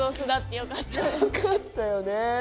よかったよね。